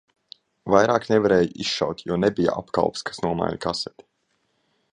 Vairāk nevarēju izšaut, jo nebija apkalpes, kas nomaina kaseti.